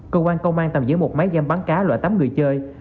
công an công an tầm giữ một máy game bắn cá loại tám người chơi